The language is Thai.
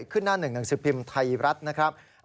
ขึ้นหน้าหนักหนังสือพิมพ์ไทรรัตินะครับ